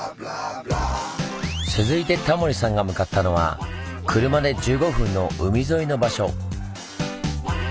続いてタモリさんが向かったのは車で１５分の海沿いの場所。